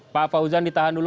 pak fauzan ditahan dulu